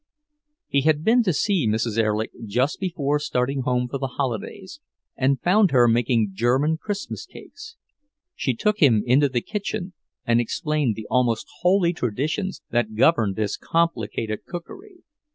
He had been to see Mrs. Erlich just before starting home for the holidays, and found her making German Christmas cakes. She took him into the kitchen and explained the almost holy traditions that governed this complicated cookery.